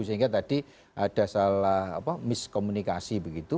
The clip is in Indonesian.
sehingga tadi ada salah miskomunikasi begitu